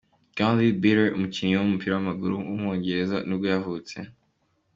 Grant Leadbitter, umukinnyi w’umupira w’amaguru w’umwongereza nibwo yavutse.